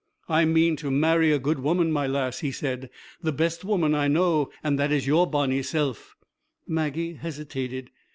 'I mean to marry a good woman, my lass,' he said, 'the best woman I know. And that is your bonny self.' Maggie hesitated.